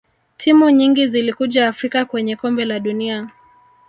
timu nyingi zilikuja afrika kwenye kombe la dunia